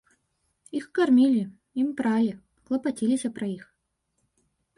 Іх кармілі, ім пралі, клапаціліся пра іх.